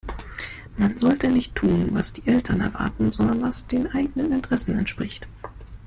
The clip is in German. Man sollte nicht tun, was die Eltern erwarten, sondern was den eigenen Interessen entspricht.